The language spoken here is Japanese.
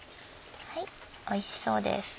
おいしそうです。